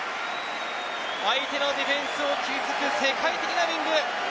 相手のディフェンスを切り裂く世界的なウイング。